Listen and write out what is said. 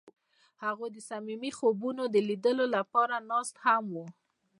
هغوی د صمیمي خوبونو د لیدلو لپاره ناست هم وو.